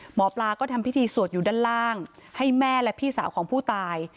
หมอปลาก็ทำพิธีสวดอยู่ด้านล่างให้แม่และพี่สาวของผู้ตาย